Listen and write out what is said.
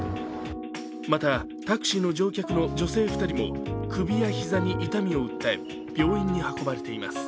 また、タクシーの乗客の女性２人も首や膝に痛みを訴え病院に運ばれています。